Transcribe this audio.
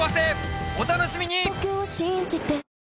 お楽しみに！